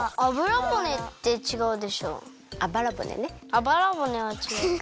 あばらぼねはちがう。